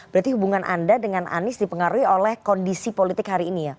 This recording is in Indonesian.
berarti hubungan anda dengan anies dipengaruhi oleh kondisi politik hari ini ya